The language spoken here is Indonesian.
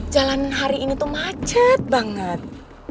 jalan hari ini tuh macet banget